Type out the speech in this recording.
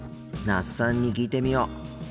那須さんに聞いてみよう。